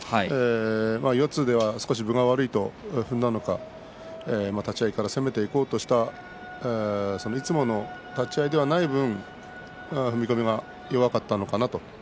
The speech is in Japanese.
四つでは分が悪いと立ち合いから攻めていこうとしたいつもの立ち合いではない分よかったのかな。